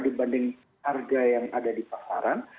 dibanding harga yang ada di pasaran